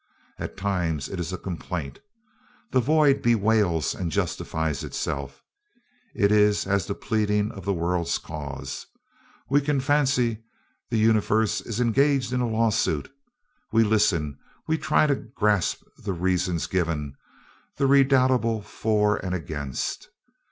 At times it is a complaint. The void bewails and justifies itself. It is as the pleading of the world's cause. We can fancy that the universe is engaged in a lawsuit; we listen we try to grasp the reasons given, the redoubtable for and against.